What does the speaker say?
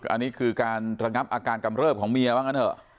อันนี้คือการระงับอาการกำเริบของเมียบ้างกันเถอะ